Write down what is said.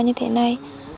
như thế này